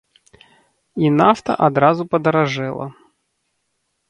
І нафта адразу падаражэла.